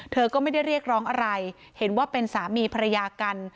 เธอก็ไม่ได้เรียกร้องอะไรเห็นว่าเป็นสามีภรรยากัน